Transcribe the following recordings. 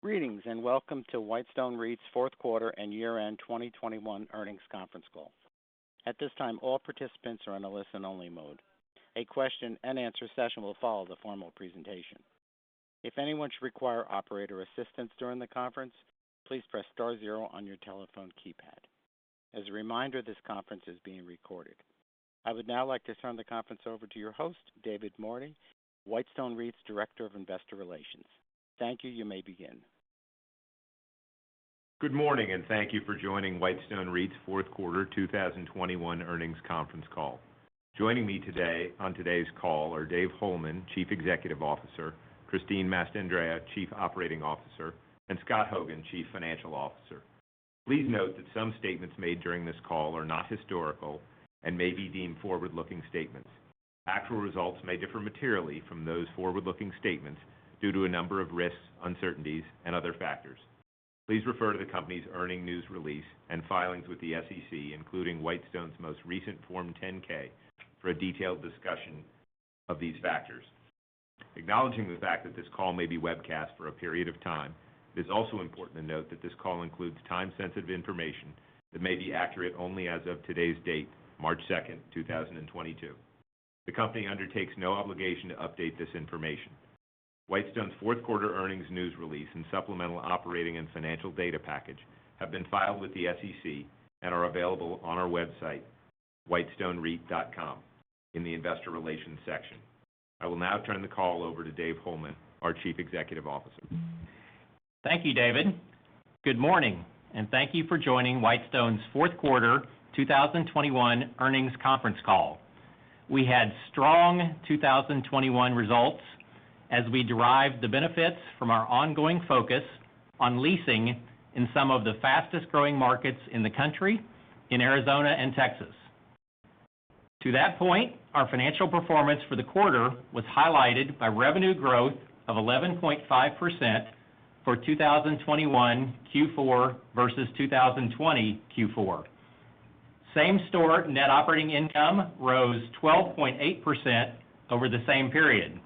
Greetings, and welcome to Whitestone REIT's fourth quarter and year-end 2021 earnings conference call. At this time, all participants are on a listen-only mode. A question and answer session will follow the formal presentation. If anyone should require operator assistance during the conference, please press star zero on your telephone keypad. As a reminder, this conference is being recorded. I would now like to turn the conference over to your host, David Mordy, Whitestone REIT's Director of Investor Relations. Thank you. You may begin. Good morning, and thank you for joining Whitestone REIT's fourth quarter 2021 earnings conference call. Joining me today on today's call are Dave Holeman, Chief Executive Officer, Christine Mastandrea, Chief Operating Officer, and Scott Hogan, Chief Financial Officer. Please note that some statements made during this call are not historical and may be deemed forward-looking statements. Actual results may differ materially from those forward-looking statements due to a number of risks, uncertainties, and other factors. Please refer to the company's earnings news release and filings with the SEC, including Whitestone's most recent Form 10-K, for a detailed discussion of these factors. Acknowledging the fact that this call may be webcast for a period of time, it is also important to note that this call includes time-sensitive information that may be accurate only as of today's date, March 2nd, 2022. The company undertakes no obligation to update this information. Whitestone's fourth quarter earnings news release and supplemental operating and financial data package have been filed with the SEC and are available on our website, whitestonereit.com, in the investor relations section. I will now turn the call over to Dave Holeman, our Chief Executive Officer. Thank you, David. Good morning, and thank you for joining Whitestone's fourth quarter 2021 earnings conference call. We had strong 2021 results as we derived the benefits from our ongoing focus on leasing in some of the fastest-growing markets in the country in Arizona and Texas. To that point, our financial performance for the quarter was highlighted by revenue growth of 11.5% for 2021 Q4 versus 2020 Q4. Same-store net operating income rose 12.8% over the same period.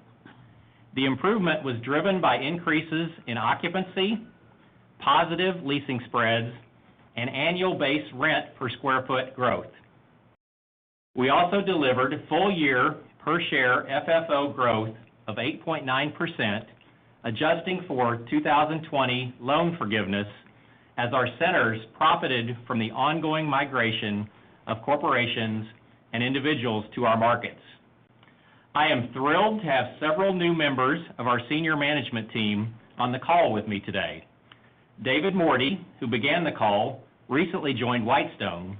The improvement was driven by increases in occupancy, positive leasing spreads, and annual base rent per square foot growth. We also delivered full year per share FFO growth of 8.9%, adjusting for 2020 loan forgiveness as our centers profited from the ongoing migration of corporations and individuals to our markets. I am thrilled to have several new members of our senior management team on the call with me today. David Mordy, who began the call, recently joined Whitestone,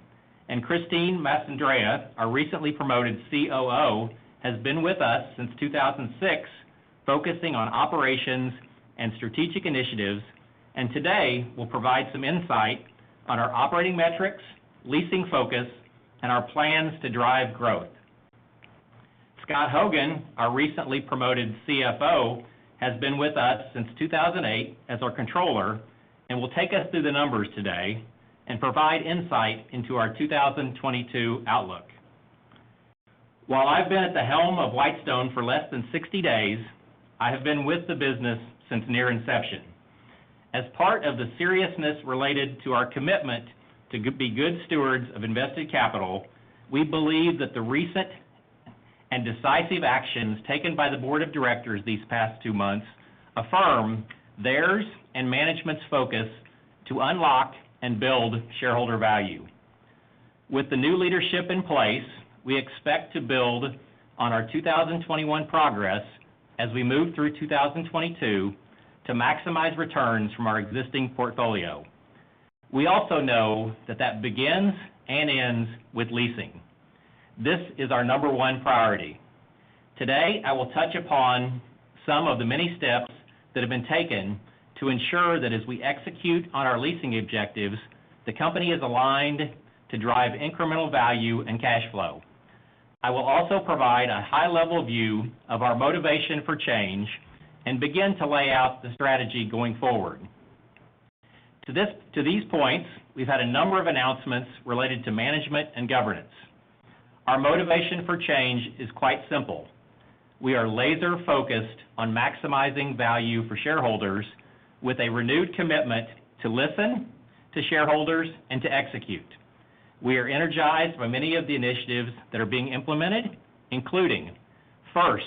and Christine Mastandrea, our recently promoted COO, has been with us since 2006, focusing on operations and strategic initiatives, and today will provide some insight on our operating metrics, leasing focus, and our plans to drive growth. Scott Hogan, our recently promoted CFO, has been with us since 2008 as our controller and will take us through the numbers today and provide insight into our 2022 outlook. While I've been at the helm of Whitestone for less than 60 days, I have been with the business since near inception. As part of the seriousness related to our commitment to be good stewards of invested capital, we believe that the recent and decisive actions taken by the board of directors these past two months affirm theirs and management's focus to unlock and build shareholder value. With the new leadership in place, we expect to build on our 2021 progress as we move through 2022 to maximize returns from our existing portfolio. We also know that begins and ends with leasing. This is our number one priority. Today, I will touch upon some of the many steps that have been taken to ensure that as we execute on our leasing objectives, the company is aligned to drive incremental value and cash flow. I will also provide a high-level view of our motivation for change and begin to lay out the strategy going forward. To these points, we've had a number of announcements related to management and governance. Our motivation for change is quite simple. We are laser-focused on maximizing value for shareholders with a renewed commitment to listen to shareholders and to execute. We are energized by many of the initiatives that are being implemented, including, first,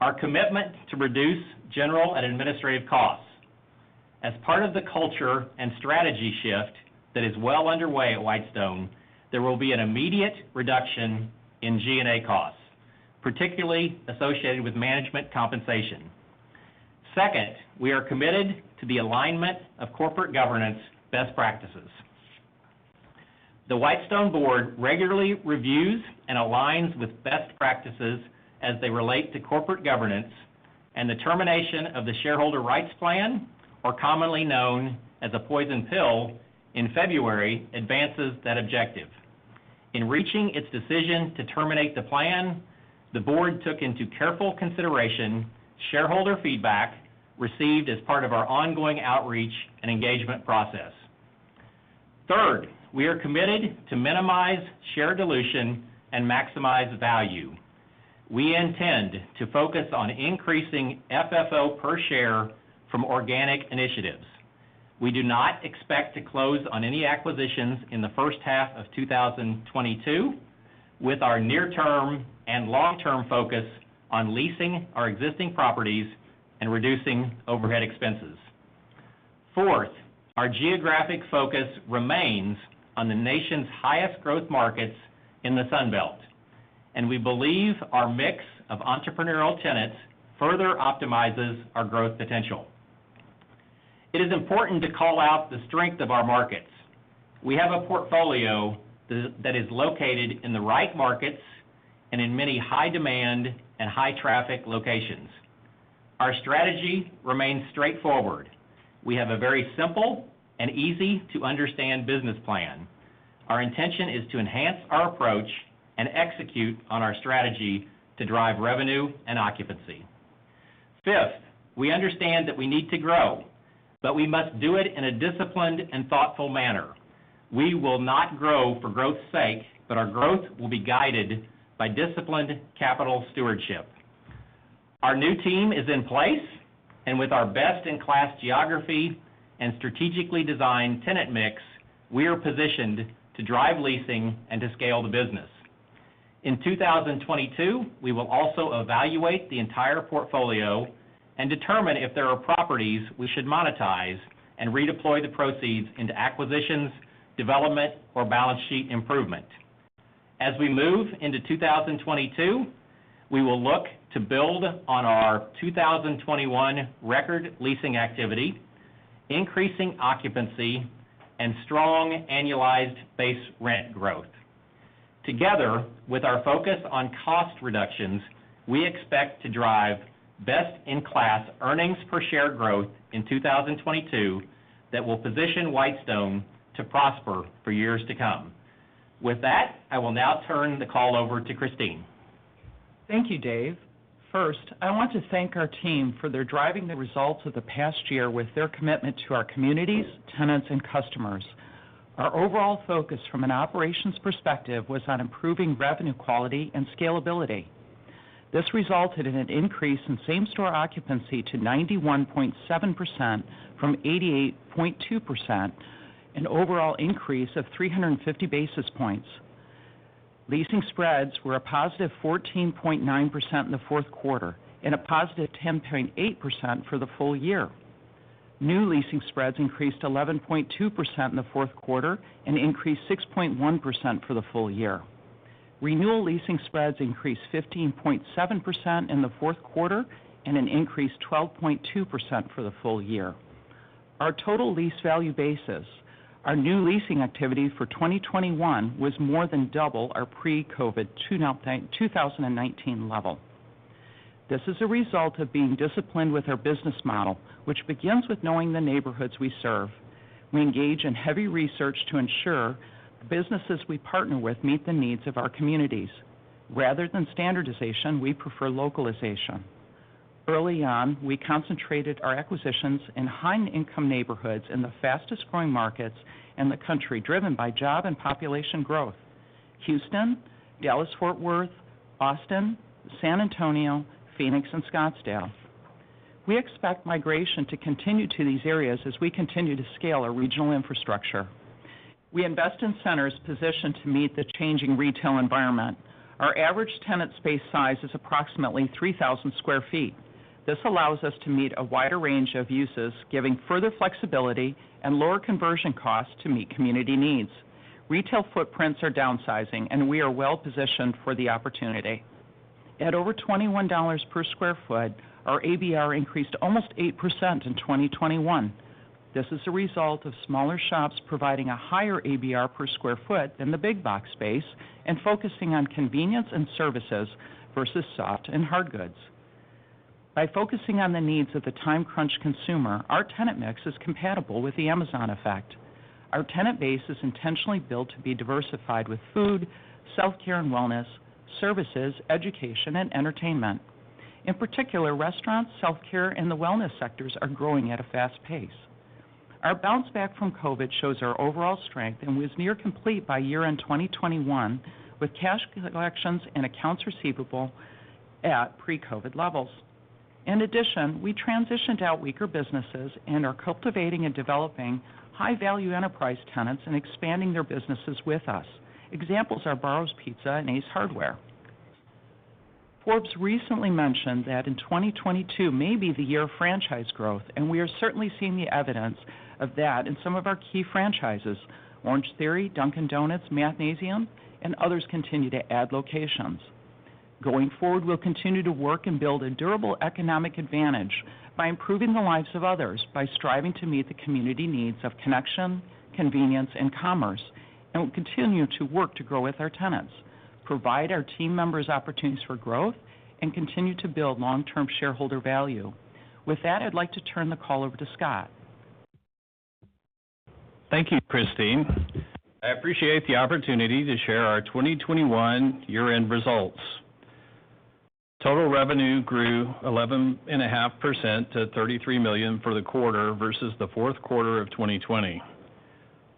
our commitment to reduce general and administrative costs. As part of the culture and strategy shift that is well underway at Whitestone, there will be an immediate reduction in G&A costs, particularly associated with management compensation. Second, we are committed to the alignment of corporate governance best practices. The Whitestone board regularly reviews and aligns with best practices as they relate to corporate governance, and the termination of the shareholder rights plan, or commonly known as a poison pill, in February advances that objective. In reaching its decision to terminate the plan, the board took into careful consideration shareholder feedback received as part of our ongoing outreach and engagement process. Third, we are committed to minimize share dilution and maximize value. We intend to focus on increasing FFO per share from organic initiatives. We do not expect to close on any acquisitions in the first half of 2022, with our near term and long-term focus on leasing our existing properties and reducing overhead expenses. Fourth, our geographic focus remains on the nation's highest growth markets in the Sun Belt, and we believe our mix of entrepreneurial tenants further optimizes our growth potential. It is important to call out the strength of our markets. We have a portfolio that is located in the right markets and in many high demand and high traffic locations. Our strategy remains straightforward. We have a very simple and easy to understand business plan. Our intention is to enhance our approach and execute on our strategy to drive revenue and occupancy. Fifth, we understand that we need to grow, but we must do it in a disciplined and thoughtful manner. We will not grow for growth's sake, but our growth will be guided by disciplined capital stewardship. Our new team is in place, and with our best-in-class geography and strategically designed tenant mix, we are positioned to drive leasing and to scale the business. In 2022, we will also evaluate the entire portfolio and determine if there are properties we should monetize and redeploy the proceeds into acquisitions, development or balance sheet improvement. As we move into 2022, we will look to build on our 2021 record leasing activity, increasing occupancy and strong annualized base rent growth. Together with our focus on cost reductions, we expect to drive best-in-class earnings per share growth in 2022 that will position Whitestone to prosper for years to come. With that, I will now turn the call over to Christine. Thank you, Dave. First, I want to thank our team for driving the results of the past year with their commitment to our communities, tenants and customers. Our overall focus from an operations perspective was on improving revenue quality and scalability. This resulted in an increase in same-store occupancy to 91.7% from 88.2%, an overall increase of 350 basis points. Leasing spreads were a positive 14.9% in the fourth quarter and a positive 10.8% for the full year. New leasing spreads increased 11.2% in the fourth quarter and increased 6.1% for the full year. Renewal leasing spreads increased 15.7% in the fourth quarter and increased 12.2% for the full year. Our total lease value basis, our new leasing activity for 2021 was more than double our pre-COVID 2019 level. This is a result of being disciplined with our business model, which begins with knowing the neighborhoods we serve. We engage in heavy research to ensure the businesses we partner with meet the needs of our communities. Rather than standardization, we prefer localization. Early on, we concentrated our acquisitions in high-income neighborhoods in the fastest-growing markets in the country driven by job and population growth. Houston, Dallas Fort Worth, Austin, San Antonio, Phoenix and Scottsdale. We expect migration to continue to these areas as we continue to scale our regional infrastructure. We invest in centers positioned to meet the changing retail environment. Our average tenant space size is approximately 3,000 sq ft. This allows us to meet a wider range of uses, giving further flexibility and lower conversion costs to meet community needs. Retail footprints are downsizing, and we are well positioned for the opportunity. At over $21 per square foot, our ABR increased almost 8% in 2021. This is a result of smaller shops providing a higher ABR per square foot than the big box space and focusing on convenience and services versus soft and hard goods. By focusing on the needs of the time-crunched consumer, our tenant mix is compatible with the Amazon effect. Our tenant base is intentionally built to be diversified with food, self-care and wellness, services, education and entertainment. In particular, restaurants, self-care and the wellness sectors are growing at a fast pace. Our bounce back from COVID shows our overall strength and was near complete by year-end 2021, with cash collections and accounts receivable at pre-COVID levels. In addition, we transitioned out weaker businesses and are cultivating and developing high-value enterprise tenants and expanding their businesses with us. Examples are Barro's Pizza and Ace Hardware. Forbes recently mentioned that in 2022 may be the year of franchise growth, and we are certainly seeing the evidence of that in some of our key franchises. Orangetheory Fitness, Dunkin' Donuts, Mathnasium and others continue to add locations. Going forward, we'll continue to work and build a durable economic advantage by improving the lives of others by striving to meet the community needs of connection, convenience and commerce, and we'll continue to work to grow with our tenants, provide our team members opportunities for growth, and continue to build long-term shareholder value. With that, I'd like to turn the call over to Scott. Thank you, Christine. I appreciate the opportunity to share our 2021 year-end results. Total revenue grew 11.5% to $33 million for the quarter versus the fourth quarter of 2020.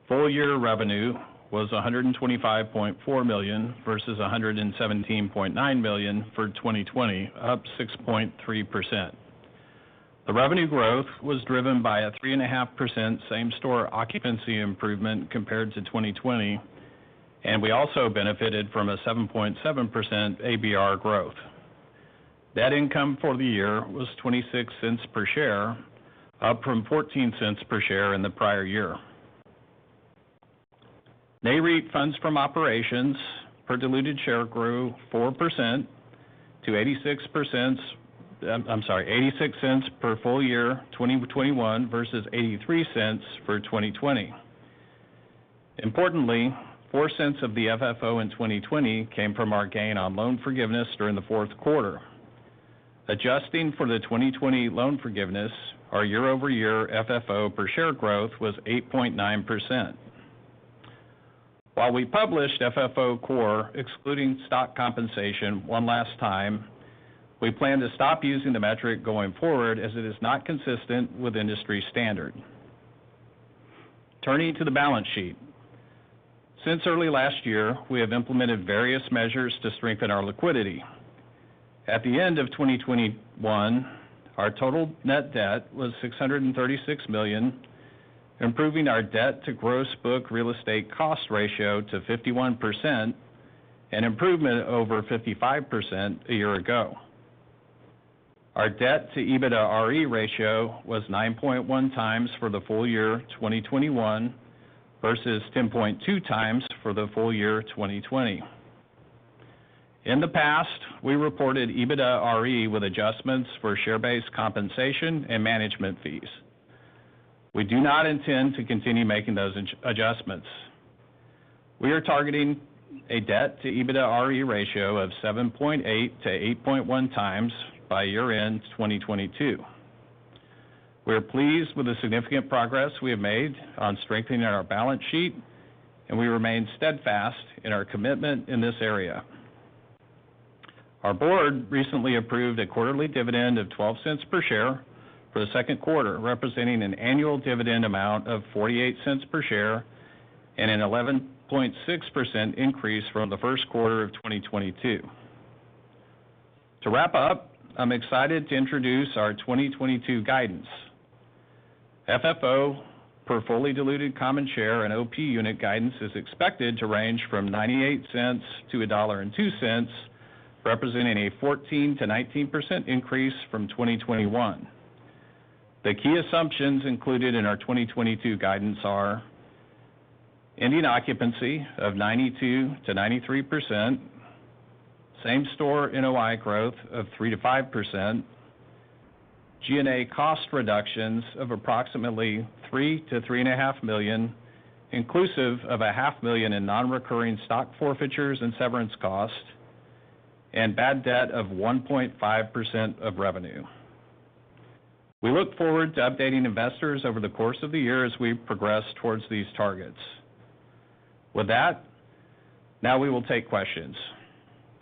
Full year revenue was $125.4 million versus $117.9 million for 2020, up 6.3%. The revenue growth was driven by a 3.5% same-store occupancy improvement compared to 2020, and we also benefited from a 7.7% ABR growth. Net income for the year was $0.26 per share, up from $0.14 per share in the prior year. Nareit funds from operations per diluted share grew 4% to $0.86 for full year 2021 versus $0.83 for 2020. Importantly, $0.04 of the FFO in 2020 came from our gain on loan forgiveness during the fourth quarter. Adjusting for the 2020 loan forgiveness, our year-over-year FFO per share growth was 8.9%. While we published FFO Core excluding stock compensation one last time, we plan to stop using the metric going forward as it is not consistent with industry standard. Turning to the balance sheet. Since early last year, we have implemented various measures to strengthen our liquidity. At the end of 2021, our total net debt was $636 million, improving our debt to gross book real estate cost ratio to 51%, an improvement over 55% a year ago. Our debt to EBITDAre ratio was 9.1x for the full year 2021 versus 10.2x for the full year 2020. In the past, we reported EBITDAre with adjustments for share-based compensation and management fees. We do not intend to continue making those adjustments. We are targeting a debt-to-EBITDAre ratio of 7.8x-8.1x by year-end 2022. We are pleased with the significant progress we have made on strengthening our balance sheet, and we remain steadfast in our commitment in this area. Our board recently approved a quarterly dividend of $0.12 per share for the second quarter, representing an annual dividend amount of $0.48 per share, and an 11.6% increase from the first quarter of 2022. To wrap up, I'm excited to introduce our 2022 guidance. FFO per fully diluted common share and OP Unit guidance is expected to range from $0.98 to $1.02, representing a 14%-19% increase from 2021. The key assumptions included in our 2022 guidance are ending occupancy of 92%-93%, same-store NOI growth of 3%-5%, G&A cost reductions of approximately $3 million-$3.5 million, inclusive of $0.5 million in non-recurring stock forfeitures and severance costs, and bad debt of 1.5% of revenue. We look forward to updating investors over the course of the year as we progress towards these targets. With that, now we will take questions.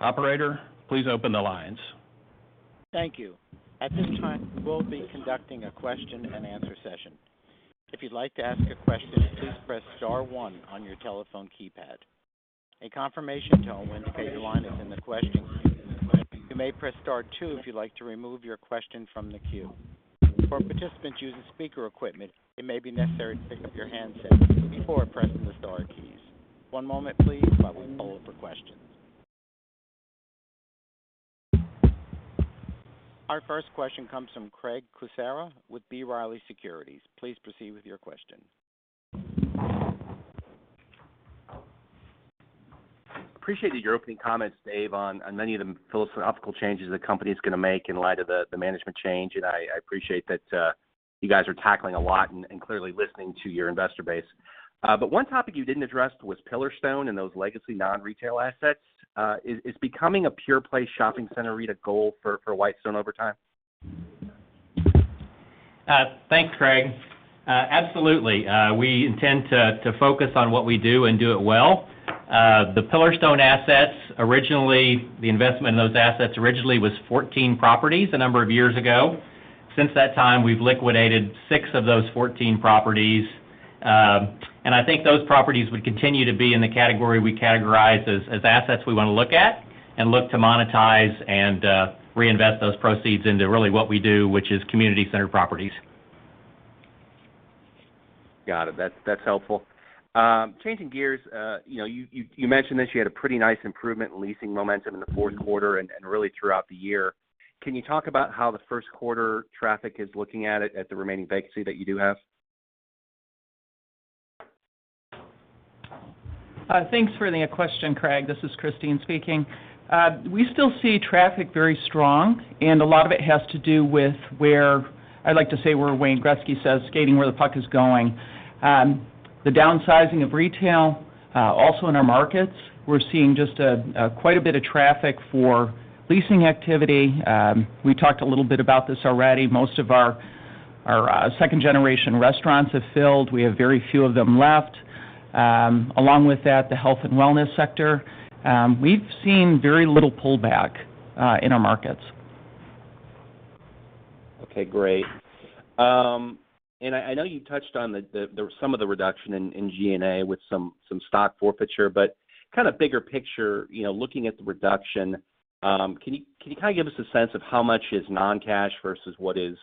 Operator, please open the lines. Thank you. At this time, we'll be conducting a question and answer session. If you'd like to ask a question, please press star one on your telephone keypad. A confirmation tone will indicate your line is in the question queue. You may press star two if you'd like to remove your question from the queue. For participants using speaker equipment, it may be necessary to pick up your handset before pressing the star keys. One moment please while we poll for questions. Our first question comes from Craig Kucera with B. Riley Securities. Please proceed with your question. Appreciate your opening comments, Dave, on many of the philosophical changes the company is gonna make in light of the management change. I appreciate that you guys are tackling a lot and clearly listening to your investor base. One topic you didn't address was Pillarstone and those legacy non-retail assets. Is becoming a pure-play shopping center REIT a goal for Whitestone over time? Thanks, Craig. Absolutely. We intend to focus on what we do and do it well. The Pillarstone assets, the investment in those assets originally was 14 properties a number of years ago. Since that time, we've liquidated six of those 14 properties. I think those properties would continue to be in the category we categorize as assets we wanna look at and look to monetize and reinvest those proceeds into really what we do, which is community center properties. Got it. That's helpful. Changing gears. You know, you mentioned that you had a pretty nice improvement in leasing momentum in the fourth quarter and really throughout the year. Can you talk about how the first quarter traffic is looking at the remaining vacancy that you do have? Thanks for the question, Craig. This is Christine speaking. We still see traffic very strong, and a lot of it has to do with where, I'd like to say, where Wayne Gretzky says, skating where the puck is going. The downsizing of retail also in our markets. We're seeing just quite a bit of traffic for leasing activity. We talked a little bit about this already. Most of our second generation restaurants have filled. We have very few of them left. Along with that, the health and wellness sector. We've seen very little pullback in our markets. Okay, great. I know you touched on some of the reduction in G&A with some stock forfeiture, but kind of bigger picture, you know, looking at the reduction, can you kind of give us a sense of how much is non-cash versus what is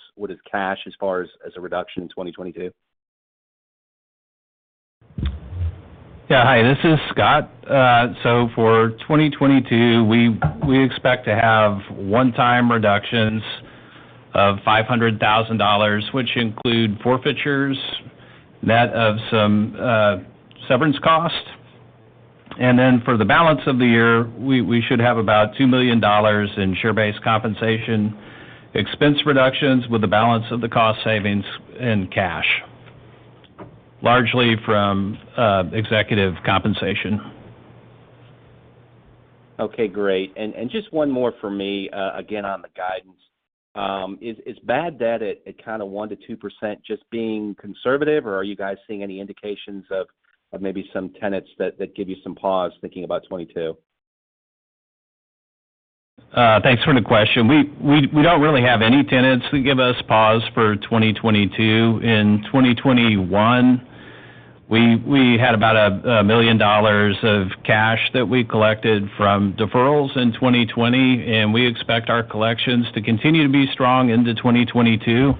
cash as far as a reduction in 2022? Yeah. Hi, this is Scott. So for 2022, we expect to have one-time reductions of $500,000, which include forfeitures, net of some severance costs. For the balance of the year, we should have about $2 million in share-based compensation expense reductions with the balance of the cost savings in cash, largely from executive compensation. Okay, great. Just one more for me, again, on the guidance. Is bad debt at kind of 1%-2% just being conservative, or are you guys seeing any indications of maybe some tenants that give you some pause thinking about 2022? Thanks for the question. We don't really have any tenants that give us pause for 2022. In 2021, we had about $1 million of cash that we collected from deferrals in 2020, and we expect our collections to continue to be strong into 2022.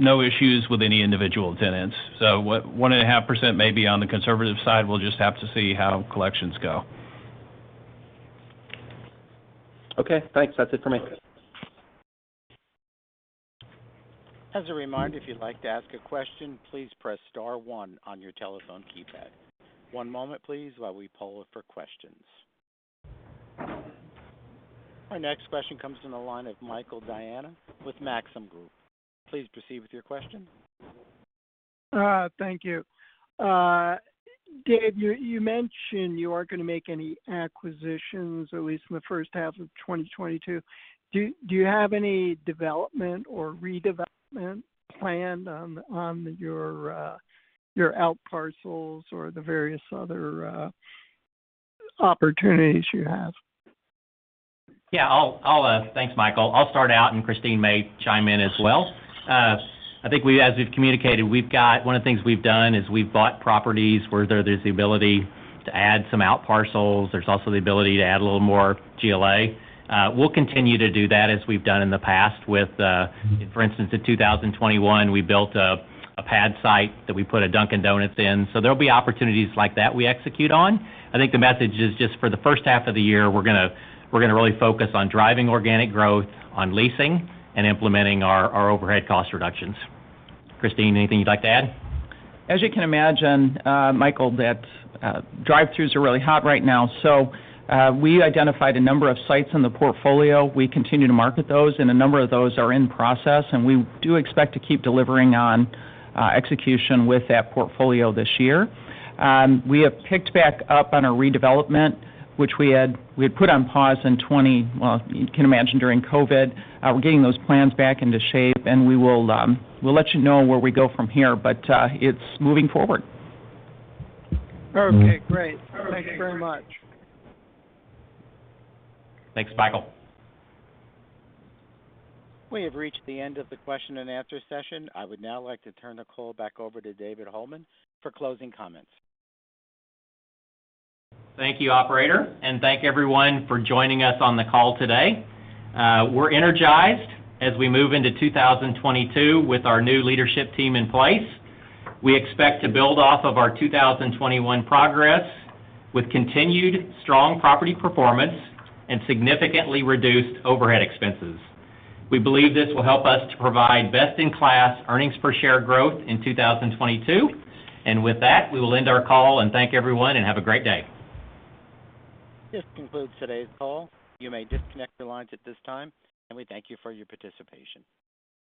No issues with any individual tenants. 1.5% may be on the conservative side. We'll just have to see how collections go. Okay, thanks. That's it for me. As a reminder, if you'd like to ask a question, please press star one on your telephone keypad. One moment, please, while we poll for questions. Our next question comes from the line of Michael Diana with Maxim Group. Please proceed with your question. Thank you. Dave, you mentioned you aren't gonna make any acquisitions, at least in the first half of 2022. Do you have any development or redevelopment planned on your outparcels or the various other opportunities you have? Thanks, Michael. I'll start out and Christine may chime in as well. I think as we've communicated, we've got one of the things we've done is we've bought properties where there's the ability to add some outparcels. There's also the ability to add a little more GLA. We'll continue to do that as we've done in the past with, for instance, in 2021, we built a pad site that we put a Dunkin' Donuts in. So there'll be opportunities like that we execute on. I think the message is just for the first half of the year, we're gonna really focus on driving organic growth, on leasing, and implementing our overhead cost reductions. Christine, anything you'd like to add? As you can imagine, Michael, drive-throughs are really hot right now. We identified a number of sites in the portfolio. We continue to market those, and a number of those are in process, and we do expect to keep delivering on execution with that portfolio this year. We have picked back up on a redevelopment, which we had put on pause during COVID. You can imagine. We're getting those plans back into shape, and we'll let you know where we go from here, but it's moving forward. Okay, great. Thank you very much. Thanks, Michael. We have reached the end of the question and answer session. I would now like to turn the call back over to Dave Holeman for closing comments. Thank you, operator, and thank everyone for joining us on the call today. We're energized as we move into 2022 with our new leadership team in place. We expect to build off of our 2021 progress with continued strong property performance and significantly reduced overhead expenses. We believe this will help us to provide best-in-class earnings per share growth in 2022. With that, we will end our call, and thank everyone, and have a great day. This concludes today's call. You may disconnect your lines at this time, and we thank you for your participation.